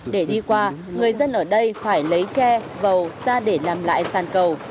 để đi qua người dân ở đây phải lấy tre vầu ra để làm lại sàn cầu